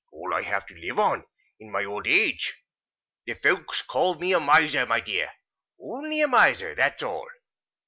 All I have to live upon, in my old age. The folks call me a miser, my dear. Only a miser; that's all."